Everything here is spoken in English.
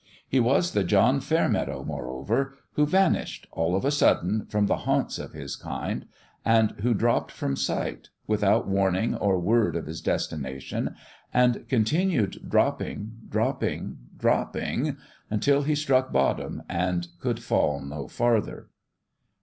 He was the John Fairmeadow, moreover, who vanished, all of a sudden, from the haunts of his kind, and who dropped from sight, without warning or word of his destination, and continued dropping, dropping, dropping, until he struck bottom and could fall no farther.